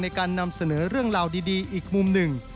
นำเสนอเรื่องราวดีอีกมุมหนึ่ง